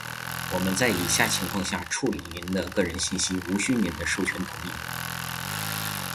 我们在以下情况下处理您的个人信息无需您的授权同意：